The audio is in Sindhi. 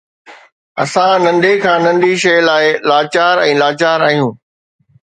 اسان ننڍي کان ننڍي شيءِ لاءِ لاچار ۽ لاچار آهيون.